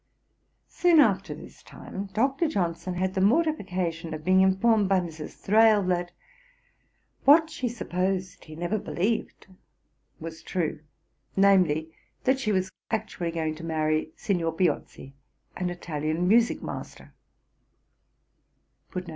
Soon after this time Dr. Johnson had the mortification of being informed by Mrs. Thrale, that, 'what she supposed he never believed,' was true; namely, that she was actually going to marry Signor Piozzi, an Italian musick master.